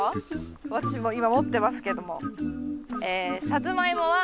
私今持ってますけども。